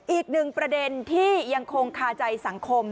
อีกหนึ่งประเด็นที่ยังคงคาใจสังคม